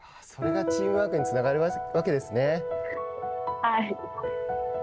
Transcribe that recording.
それがチームワークにつながるわけですね。